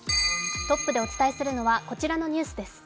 トップでお伝えするのは、こちらのニュースです。